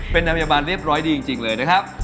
เป็นนายพยาบาลเรียบร้อยดีจริงเลยนะครับ